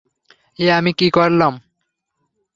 এ আমি কী করলাম?